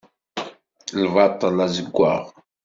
Lbaṭel azeggaɣ.